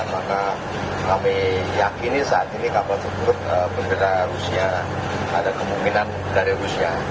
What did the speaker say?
maka kami yakini saat ini kapal tersebut bendera rusia ada kemungkinan dari rusia